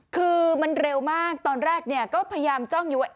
คือมันเร็วมากตอนแรกก็พยายามจ้องอยู่ว่า